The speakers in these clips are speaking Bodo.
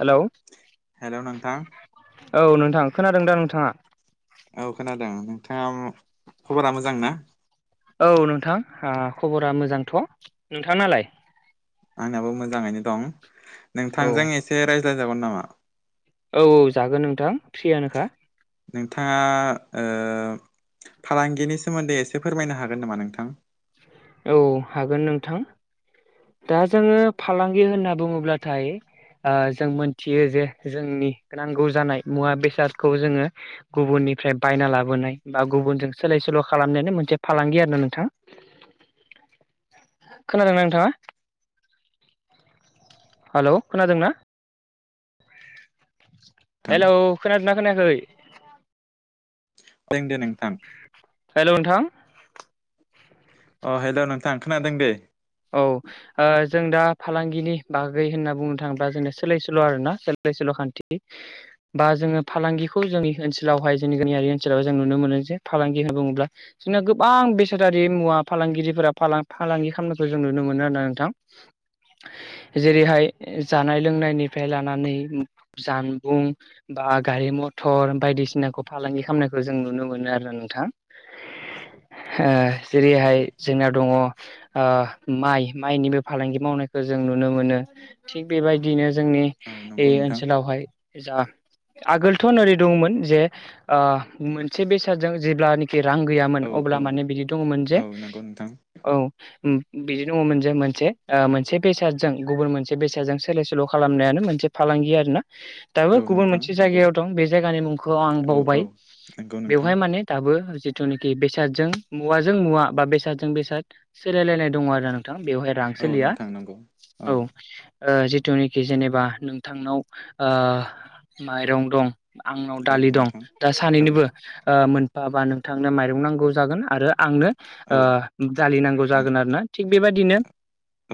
हेलौ हेल नोंथां। औ नोंथां खोनादों दा नोंथाङा? औ खोनादों, ! नोंथाङा खबरा मोजां ना? औ नोंथां, ओ खबरा मोजांथ' नोंथां नालाय? आंनाबो मोजाङैनो दं औ नोंथांजों एसे रायज्लाय जागोन नामा? औ औ जागोन नोंथां फ्रियानोखा, ! नोंथाङा ओ फालांगिनि सोमोन्दै एसे फोरमायनो हागोन नामा नोंथां? औ हागोन नोंथां दा जोङो फालांगि होनना बुङोब्लाथाय ओ जों मोनथियो जे जोंनि नांगौ जानाय मुवा बेसादखौ जोङो गुबुननि निफ्राय बायना लाबोनाय बा गुबुनजों सोलाय सोल' खालामनायनायनि मोनसे फालांगि आरो नोंथां। [inaudible] खोनादोंना नोंथाङा? हेल' खोनादोंना? नोंथां हेलौ खोनादोंना खोनायाखै? खोनादों नोंथां। हेल' नोंथां, अ हेल' नोंथां खोनादों दे, औ ओ जों दा फालांगिनि बागै होनना बुंनो थाङोब्ला जोंना सोलायसोल' आरोना सोलायसोल' खान्थि बा जोङो फालांगिखौ जोंनि ओनसोलावहाय जोंनि गामियारि ओनसोलावाय जों नुनो मोनो जे फालांगि होनना बुङोब्ला जोंना गोबां बेसादारि मुवा फालांगिरिफोरा फालांगि खालामनो खौ जों नुनो मोनो आरो नोंथां। जेरैहाय, जानाय लोंनायनिफ्राय लानानै जानबुं बा गारि, मथर, बायदिसिनाखौ फालांगि खालामनायखौ जों नुनो मोनो आरो नोंथां। [inaudible] ओ जेरैहाय जोंनाव दङ' ओ माइ माइनिबो फालांगि मावनायखौ जों नुनो मोनो थिग बेबायदिनो जोंनि औ बे नंगौ नोंथां ओनसोलावहाय जा आगोलथ' नरै दङमोन जे मोनसे बेसादजों जेब्लानोखि रां गैयामोन औ अब्ला औ माने बिदि दङमोन औ जे नंगौ नोंथां औ उम बिदि दंङमोन जे मोनसे मोनसे बेसादजों गुबुन मोनसे बेसादजों सोलाय सोल' खालामनायानो मोनसे फालांगि आरोना दाबो औ गुबुन नोंथां मोनसे नंगौ जायगायाव दं बे जायगानि मुंखौ आं औ बावबाय औ नंगौ नोंथां बेवहाय माने दाबो जिथुनाखि बेसादजों मुवाजों मुवा बा बेसादजों बेसाद सोलायलायनाय दङ आरो नोंथां बेवहाय औ रांसोलिया नोंथां नंगौ औ ओ जिथुनाखि जेनेबा नोंथांनाव ओ माइरं दं। आंनाव औ दालि दं नोंथां दा औ सानैनिबो एबा नोंथांनो माइरं नांगौ जागोन आरो आंनो औ दालि नांगौ- जागोन आरोना थिग बेबदिनो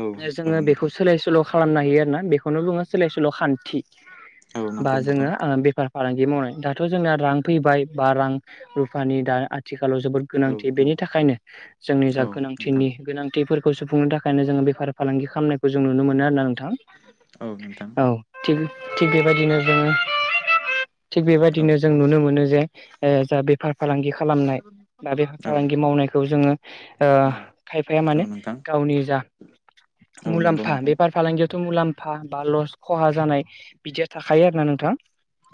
औ औ जोङो बेखौ नोंथां सोलाय सोल' खालामनो हायो आरोना बेखौनो बुङो सोलाय सोल' खान्थि। औ बा नंगौ जोङो नोंथां बेफार फालांगि मावनाय दाथ' जोंना रां फैबाय बा रां रुफानि दा आथिखाल- आथिखालाव जोबोद औ गोनांथि औ बेनि थाखायनो जोंनि जा औ नोंथां गोनांथिनि गोनांथिफोरखौ खौ सुफुंनो थाखायनो जोङो बेफार फालांगि खालामनायखौ जों नुनो मोनो आरोना नोंथां। औ थिग थिग बेबायदिनो जोङो। थिग औ बेबायदिनो जों नुनो मोनो जे ओ जा बेफार फालांगि खालामनाय दा बे औ फालांगि मावनायखौ जोङो ओ औ खायफाया औ माने नोंथां गावनि जा औ नंगौ मुलाम्फा नोंथां बेफार फालांगियाव थ' मुलाम्फा बा लस खहा जानाय बिदिया थाखायो आरोना नोंथां।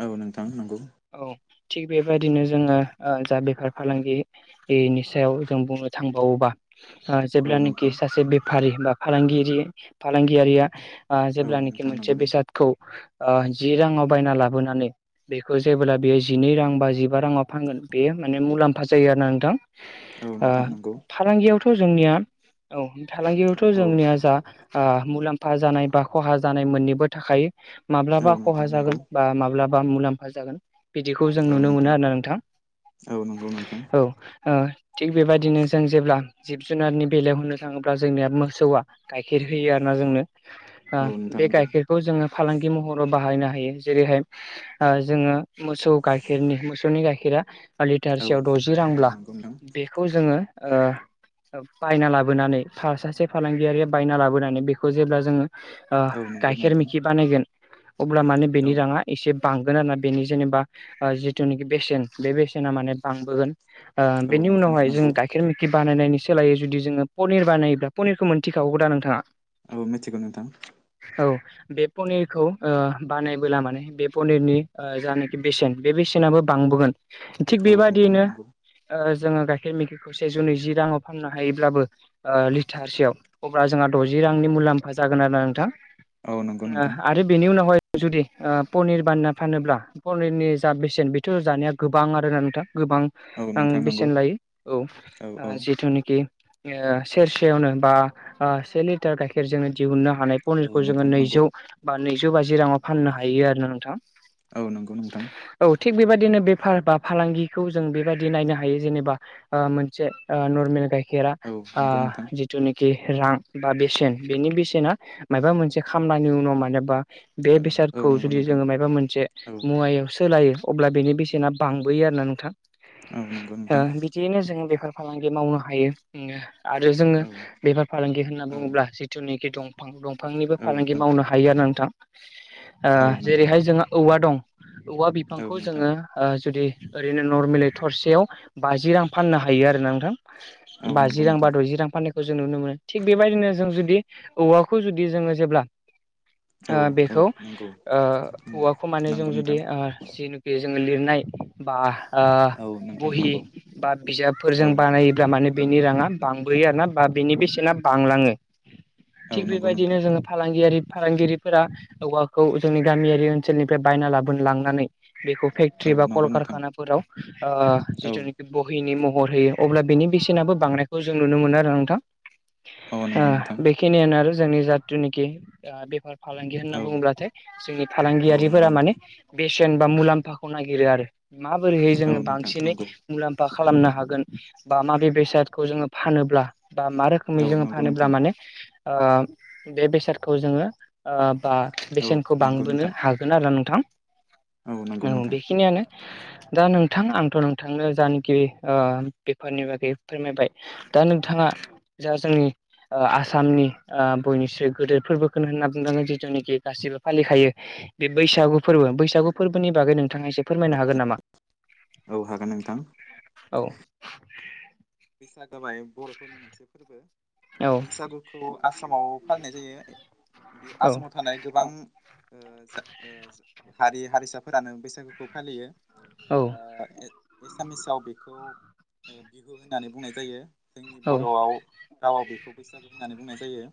औ नोंथां नंगौ, औ थिग बेबायदिनो जोङो ओ जा बेफार फालांगिनि सायाव जों बुंनो थांबावोबा ओ औ जेब्लानोखि नोंथां सासे बेफारि बा फालांगिरि फालांगियारिया ओ औ जेब्लानोखि नोंथां मोनसे नंगौ बेसादखौ ओ जि राङाव बायना लाबोनानै बेखौ जेबोब्ला बियो जिनै रां बा जिबा राङाव फानगोन बे माने मुलाम्फा जायो आरो ना नोंथां। औ ओ नोंथां नंगौ फालांगियावथ' जोंनिया औ फालांगियावथ' औ जोंनिया जा आ मुलाम्फा जानाय बा खहा जानाय मोननैबो थाखायो। औ माब्लाबा खहा नोंथां नंगौ जागोन बा माब्लाबा मुलाम्फा जागोन। बिदिखौ जों नुनो मोनो आरो ना नोंथां। औ नंगौ नोंथां औ ओ थिग बेबायदिनो जों जेब्ला जिब जुनारनि बेलायाव होननो थाङोब्ला जोंनिया मोसौआ गाइखेर होयो आरो ना जोंनो। आ औ नोंथां बे नंगौ गाइखेरखौ जोङो फालांगि महराव बाहायनो हायो जेरैहाय ओ जोङो मोसौ गाइखेरनि मोसौनि गाइखेरा औ लिटारसेयाव द'जि औ रांब्ला नंगौ नोंथां बेखौ जोङो ओ बायना लाबोनानै सा-सासे फालांगियारिया बायना लाबोनानै बेखौ जेब्ला जोङो ओ औ नंगौ गाइखेर नोंथां मेखि बानायगोन अब्ला माने औ बेनि राङा एसे बांगोन आरो ना बेनि जेनेबा जिथुनोखि बेसेन बे बेसेना माने बांबोगोन। ओ औ बेनि नोंथां उनावहाय जों नंगौ गाइखेर मोखि बानायनायनि सोलायै जुदि जोङो पनिर बानायोब्ला पनिरखौ मोनथिखागौदा नोंथाङा? औ मिथिगौ नोंथां। औ बे पनिरखौ ओ बानायबोला माने बे पनिरनि ओ जानोखि बेसेन बे बेसे सेनाबो बांबोगोन थिग औ नोंथां बेबाददियैनो नंगौ ओ जोङो गाइखेर मैखिखौ सेजौ नैजि राङाव फाननो हायोब्लाबो ओ लिटारसेयाव अब्ला जोंहा द'जि रांनि मुलाम्फा जागोन आरो ना नोंथां। औ नंगौ ना नोंथां आरो बेनि उनावहाय जुदि ओ पनिर बानायना फानोब्ला पनिरनि जा बेसेन बेथ' जानाया गोबां आरोना नोंथां। गोबां औ आं नोंथां नंगौ बेसेन लायो औ जि निकि ओ सेरसेयावनो बा ओ से लिटार गाइखेर जोंनो दिहुननो हानाय औ पनिरखौ जोङो नोंथां नंगौ नैजौ बा नैजौ बाजि रांआव फाननो हायो आरोना नोंथां। औ नंगौ नोंथां। औ थिग बेबायदिनो बेफार बा फालांगिखौ जों बेबायदि नायनो हायो जेनेबा ओ मोनसे ओ नर्मेल गाइखेरा औ आ नंगौ नोंथां जिथुनिखि रां बा बेसेन बेनि बेसेना मायबा मोनसे खामलानि उनाव मानोबा बे औ औ बेसादखौ नंगौ जुदि नोंथां जोङो मायबा मोनसे औ मुवायाव सोलायो अब्ला बेनि बेसेना बांबोयो आरोना नोंथां। औ नंगौ नोंथां ओ बिदियैनो जोङो बेफार फालांगि मावनो हायो जोङो। आरो जोङो औ बेफार फालांगि होनना औ बुङोब्ला जिथुनि खि दंफां दंफांनिबो औ फालांगि मावनो हायो आरो नोंथां ओ नों जेरैहाय जोंहा औवा दं औवा औ बिफांखौ नोंथां जोङो ओ जुदि ओरैनो नरमेलि थरसेयाव बाजि रां फाननो हायो आरो ना नोंथां। औ बाजि नंगौ रां बा नोंथां दजि रां फानो जों नुनो मोनो थिग बेबायदिनो जों जुदि औवाखौ जुदि जोङो जेब्ला औ ओ औ बेखौ नंगौ ओ उम औवाखौ मानो नंगौ जों नोंथां जुदि ओ जिनुखि जोङो लिरनाय बा ओ औ नोंथां बहि नंगौ बा औ बिजाबफोरजों बानाय ग्रा माने औ बेनि राङा बांबोयो आरो ना बा बेनि बेसेना बांलाङो। औ थिग नंगौ बेबायदिनो नोंथां जोङो फालांगियारि फालांगिरिफोरा औवाखौ जोंनि गामियारि ओनसोलनिफ्राय बायना लाबोन लांनानै बेखौ फेक्ट्रि औ बा नंगौ नोंथां कलकारखानाफोराव ओ औ जिथुनोखि बहिनि महर होयो अब्ला बेनि बेसेनाबो बांनायखौ जों नुनो मोनो आरो नोंथां। औ नंगौ नोंथां ओ बेखिनियानो आरो जोंनि जाथुनिखि आ बेफार फालांगि होनना औ बुङोब्लाथाय जोंनि औ नंगौ फालांगियारिफोरा माने नोंथां बेसेन बा मुलाम्फाखौ नागिरो आरो। माबोरैहाय औ जोङो नोंथां बांसिनै नंगौ मुलाम फा खालामनो हागोन बा माबे बेसादखौ जोङो फानोब्ला बा मा रोखोमै औ जोङो नंगौ फानोब्ला नोंथां माने ओ बे बेसादखौ जोङो ओ बा औ बेसेनखौ नंगौ बांबोनो नोंथां हागोन आरो नोंथां नंगौ औ नोंथां बेखिनियानो दा नोंथां आंथ' नोंथांनो जानाखि ओ बेफारनि बागै फोरमायबाय दा नोंथाङा जा जोंनि ओ आसामनि ओ बयनिस्रु गोदोर फोरबोखौनो होनना बुंनागोन जिथुनाखि गासिबो फालिखायो बे बैसागु फोरबो बैसागु फोरबोनि बागै नों थाङा एसे फोरमायनो हागोन नामा? औ हागोन नोंथां औ बैसागो माने बर'फोरनि मोनसे फोरबो औ बैसागुखौ आसामाव फालिनाय जायो बे औ आसामाव थानाय गोबां [inaudible] हारि हारिसाफोरानो बैसागुखौ फालियो। औ [inaudible] एसामिसाव बेखौ ओ बिहु होननानै बुंनाय जायो जोंनि औ बर'आव रावाव बेखौ बैसागु होननानै बुंनाय जायो।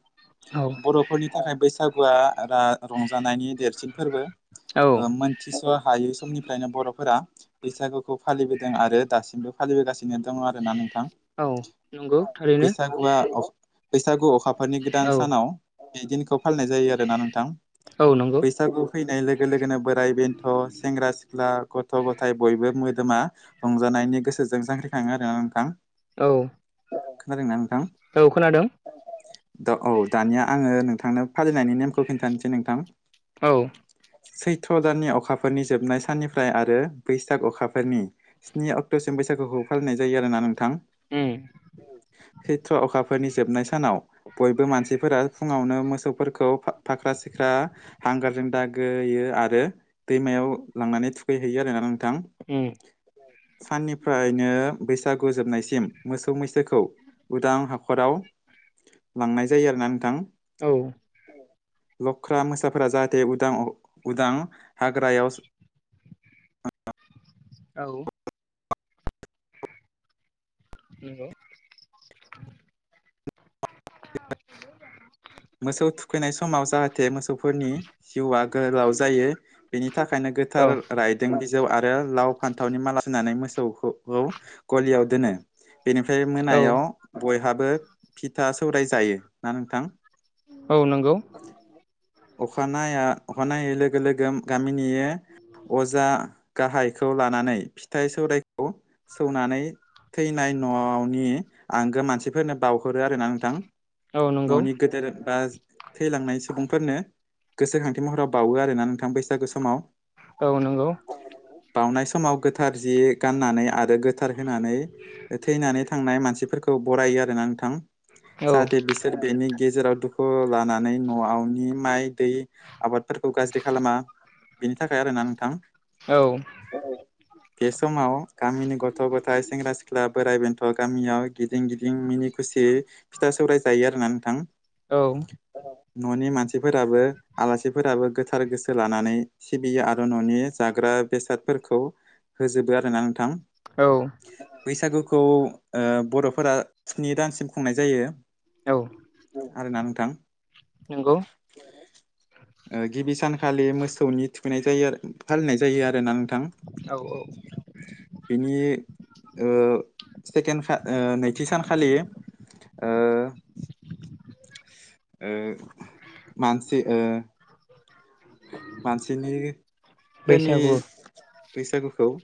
औ बर'फोरनि थाखाय बै सागुआ आ रंजानायनि देरसिन फोरबो औ मोनथिस' हायै समनिफ्रायनो बर' बैसागुखौ फालिबोदों आरो दासिमबो फालिबोगासिनो दं ना नोंथां। औ नंगौ [inaudible] थारैनो बैसागुआ बैसागु अखाफोरनि गोदान औ सानाव बेदिनखौ फालिनाय जायो आरो ना नोंथां। औ नंगौ बैसागु फैनाय लोगो लोगोनो बोराइ बेन्थ' सेंग्रा सिख्ला गथ' ग थाय बयबो मोदोमा रंजानायनि गोसोजों जांख्रिखाङो आरो ना नोंथां। औ खोनादों ना नोंथां? औ खोनादों। दा औ दानिया आङो नोंथांनो फालिनायनि नेमखौ खिन्थानोसै नोंथां औ सैथ्र' दाननि अखाफोरनि जोबनाय साननिफ्राय आरो बैसाग अखाफोरनि स्नि अक्ट'सेम्बर बैसागुखौ फालिनाय जायो आरोना नोंथां। उम सैत्र अखाफोरनि जोबनाय सानाव बयबो मानसिफोरा फुङावनो मोसौफोरखौ फाख्रा सिख्रा हांगारजों दागोयो आरो दैमायाव मोसौखौ लांनानै थुखै होयो आरो ना नोंथां। उम साननिफ्रायनो बैसा गुजोबनायसिम मोसौ मैसोखौ उदां हाखराव लांनाय जायो आरो ना नोंथां औ लख्रा मोसाफोरा जाहाथे उदां उदां हाग्रायाव [unintelligible] औ नोंगौ [inaudible] मोसौ थुखैनाय समाव जाहाथे मोसौफोरनि जिउआ गोलाव जायो गोथार रायदों बिजौ आरो लाव फान्थाव फान्थावनि माला होनानै मोसौ गलियाव दोनो बेनिफ्राय औ मोनायाव गय हाबो फिथा सौराय जायो ना नोंथां औ नोंगौ अखानाया अखानायै लोगो लोगो गामिनि अजा गाहायखौ लानानै फिथाइ सौरायाइखौ सौनानै थैनाय न'नि आंगो मानसिफोरनो बावहरो आरोना नोंथां औ नंगौ न'नि गोदोर बा थैलांनाय सुबुंफोरनो गोसोखांथि महराव बावोआरोना नोंथां बै औ नोंगौ बाउनाय समाव गोथार जि गाननानै आरो गोथार होनानै थैनानै थांनाय मानसिफोरखौ बरायो आरोना नोंथां औ जाहाथे बिसोर बेनि गेेजाराव दुखु खौ लानानै न'आवनि माइ दै आबादफोरखौ गाज्रि खालामा बिनि थाखाय आरोना नोंथां। औ। बे समाव गामिनि गथ' गथाय सेंग्रा सिख्ला बोराइ बेन्थ' गामियाव गिदिं गिदिं मिनि खुसि फिथा सौराय जायो आरो ना नोंथां। औ। न'नि मानसिफोराबो आलासिफोराबो गोथार गोसो लानानै सिबियो आरो न'नि जागोन ओ बेसादफोरखौ होजोबो आरोना नोंथां औ ‌ बैसागुखौ ओ बर'फोरा स्नि दानसिम खुंनाय जायो। औ आरो नां थां। नंगौ ओ गिबि सानखालि मोसौनि थुख खैनाय जायो आरो फालिनाय जायो आरोना नोंथां। औ औ बिनि ओ सेकेणड खा ओ नैथि सानखालि ओह ओ मानसि ओ मानसिनि फोरनि बैसागु बैसागुखौ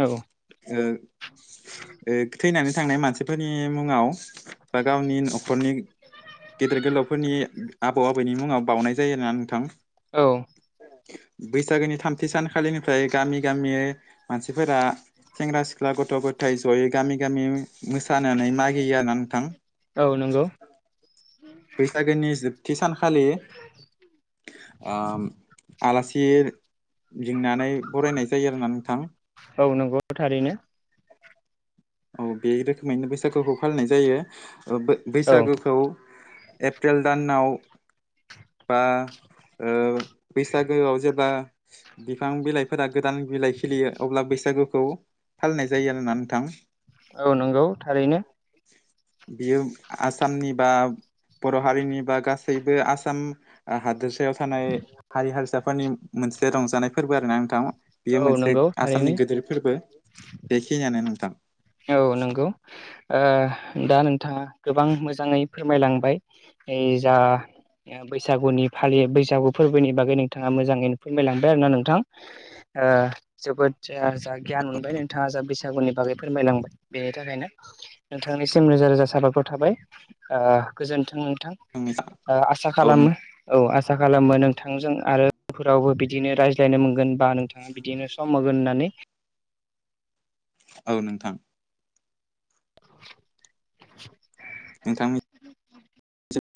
औ ओ ओ थैनानै थांनाय मानसिफोरनि मुङाव बा गावनि नखरनि गेदेर गोलावफोरनि आबौ आबैनि मुङाव बावउनाय जायो आरोना नोंथां। औ बैसागोनि थामथि सानखालिनिफ्राय गामि गामि मानसिफोरा सेंग्रा सिख्ला गथ गथाय जयै गामि मोसा सानानै मागियो आरो ना नोंथां औ नंगौ बैसागोनि जोबथि सान खालि आम आलासि लिंनानै बरायनाय जायो आरोना नोंथां। औ नंगौ थारैनो औ बे रोखोमैनो बैसागुखौ फालिनाय जायो ओ बो औ बैसागोखौ एप्रिल दानाव बा ओ बैसागोआव जेब्ला बिफां बिलाइफोरा गोदान बिलाइ खिलियो अब्ला बैसाख बैसागुखौ फालिनाय जायो आरोना नोंथां। औ नंगौ थारैनो बियो आसामनि बा बर' हारिनि बा गासैबो आसाम आ हादोरसायाव थानाय हारि हारिसाफोरनि मो मोनसे रंजानाय फोरबो आरोना नोंथां। बेयो औ मोनसे नंगौ थारैनो आसामनि गोदोर फोरबो बेखियानो नोंथां। औ नंगौ ओ दा नोंथाङा गोबां मोजाङै फोरमायलांबाय जा बैसागुनि फालि बैसागु फोरबोनि बागै नोंथाङा मोजाङैनो फोरमायलांबाय आरो ना नोंथां ओ जोबोद आ‌ जा गियान मोनबाय नोंथाङा जा बैसागुनि बागै फोरमायलांबाय बेनि थाखायनो नोंथांनिसिम रोजा रोजा साबायखर थाबाय आ गोजोन्थों।। नोंथां आसा औ खालामो नोंथां औ आसा खालामो नोंथांजों आरो फोरावबो बिदिनो रायज्लायनो मोनगोन बा नोंथाङा बिदिनो सम होगोन होननानै। औ नोंथां [inaudible] नोंथांनि